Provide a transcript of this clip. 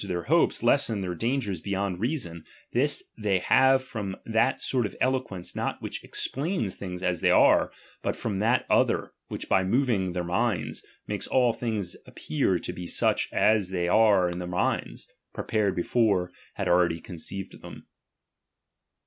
163 their hopes, lessen their dangers beyond reason : i tMs they have from that sort of eloquence, not which explains things as they are, but from that other, which by moving their minds, makes all things to appear to be such as they in their miuds, prepared before, had already conceived them.